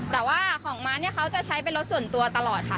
แต่ว่าของม้าเนี่ยเขาจะใช้เป็นรถส่วนตัวตลอดค่ะ